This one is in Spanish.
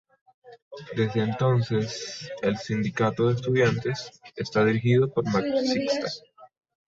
Desde entonces, el Sindicato de Estudiantes está dirigido por marxistas.